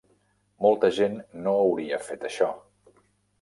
Molta gent no hauria fet això.